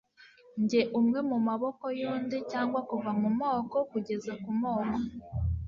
Njye umwe mumaboko yundi cyangwa kuva mumoko kugeza kumoko